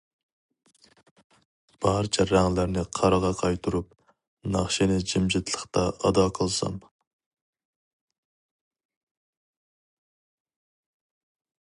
بارچە رەڭلەرنى قارىغا قايتۇرۇپ، ناخشىنى جىمجىتلىقتا ئادا قىلسام.